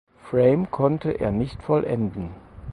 Frame konnte er nicht vollenden.